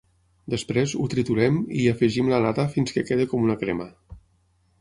Després, ho triturem i hi afegim la nata fins que quedi com una crema.